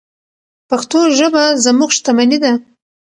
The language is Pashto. پښتو ژبه زموږ شتمني ده.